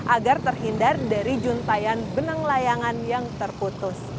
agar terhindar dari juntayan benang layangan yang terputus